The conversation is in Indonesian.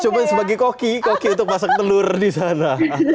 cuma sebagai koki koki untuk masak telur di sana